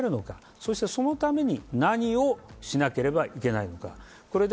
そして、そのために何をしなければいけないのか。